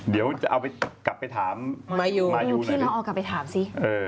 เดี๋ยวกลับไปถามมายูพี่ลองเอากลับไปถามสิ